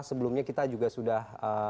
sebelumnya kita juga sudah